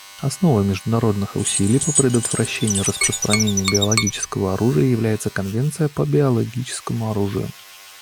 Основой международных усилий по предотвращению распространения биологического оружия является Конвенция по биологическому оружию.